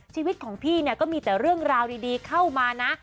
ชีวิตของพี่เนี่ยก็มีแต่เรื่องราวดีเข้ามานะ